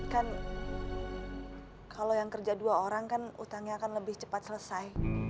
kan kalau yang kerja dua orang kan utangnya akan lebih cepat selesai